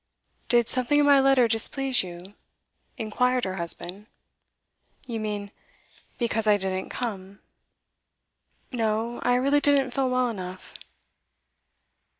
'Did something in my letter displease you?' inquired her husband. 'You mean because I didn't come? No; I really didn't feel well enough.